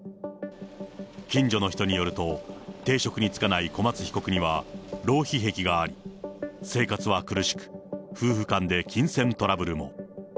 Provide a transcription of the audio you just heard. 近所の人によると、定職に就かない小松被告には、浪費癖があり、生活は苦しく、夫婦間で金銭トラブルも。